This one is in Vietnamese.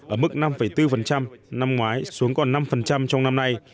ở mức năm bốn năm ngoái xuống còn năm trong năm nay